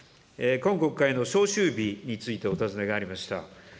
今国会の召集日についてお尋ねがありました。